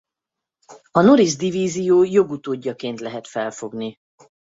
A Norris divízió jogutódjaként lehet felfogni.